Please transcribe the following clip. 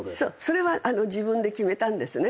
それは自分で決めたんですね